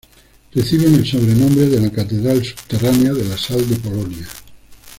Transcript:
Reciben el sobrenombre de "la catedral subterránea de la sal de Polonia".